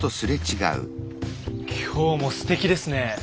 今日もすてきですね。